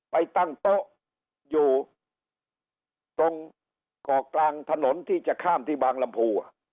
ไปตั้งโต๊ะอยู่ตรงเกาะกลางถนนที่จะข้ามที่บางลำพู